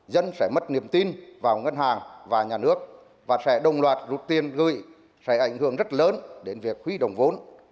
dân sẽ mất niềm tin vào ngân hàng và nhà nước và sẽ đồng loạt rút tiền gửi sẽ ảnh hưởng rất lớn đến việc huy động vốn